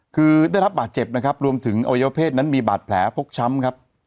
คือได้รับบาดเจ็บนะครับรวมถึงอวัยวเพศนั้นมีบาดแผลฟกช้ำครับ